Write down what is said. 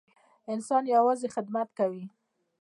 انسان یوازې خدمت کوي.